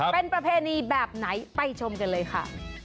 เป็นประเพณีแบบไหนไปชมกันเลยค่ะ